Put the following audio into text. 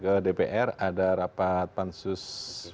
ke dpr ada rapat pansus